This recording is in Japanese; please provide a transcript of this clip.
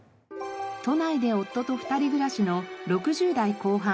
都内で夫と２人暮らしの６０代後半Ａさんの場合。